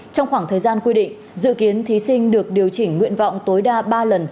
trong khoảng thời gian quy định dự kiến thí sinh được điều chỉnh nguyện vọng tối đa ba lần